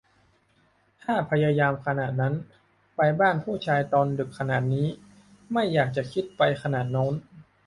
ถ้าพยายามขนาดนั้น ไปบ้านผู้ชายตอนดึกขนาดนี้ ไม่อยากจะคิดไปขนาดโน้น